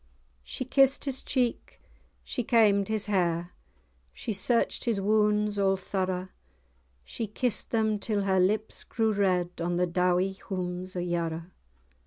She kissed his cheek, she kaim'd his hair, She searched his wounds all thorough, She kiss'd them till her lips grew red, On the dowie houms of Yarrow.